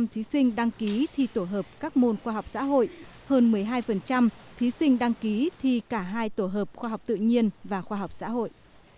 một trăm thí sinh đăng ký thi tổ hợp các môn khoa học xã hội hơn một mươi hai thí sinh đăng ký thi cả hai tổ hợp khoa học tự nhiên và khoa học xã hội